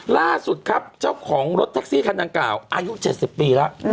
ล่าสุดครับเจ้าของรถแท็กซี่คันดังกล่าวอายุ๗๐ปีแล้ว